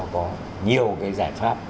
có nhiều cái giải pháp